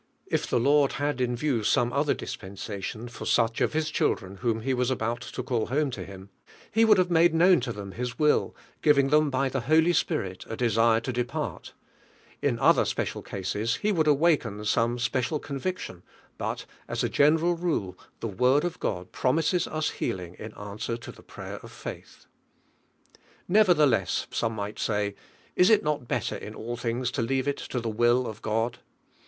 If the Lord had in view some other diapensa lion for such of His children whom He was about to call home lo Him, Tie would make known to them Ilia will, giving Hi, in by I he llely Spirit a desire to de part; in other special cases, He would awaken some special conviction, but as a general rule, the Word of God promises us healing in answer ki the prayer of faith. "Nevertheless," some might say, "is it not better in all things to leave it to the tflVINE lir.AI.INO. i:,:i will of God?"